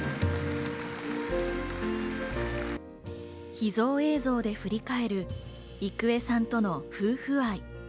秘蔵映像で振り返る郁恵さんとの夫婦愛。